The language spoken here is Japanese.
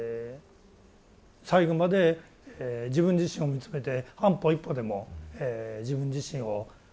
最後まで自分自身を見つめて半歩一歩でも自分自身を高めていく。